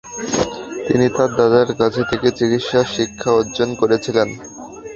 তিনি তার দাদার কাছ থেকে চিকিৎসা শিক্ষা অর্জন করেছিলেন।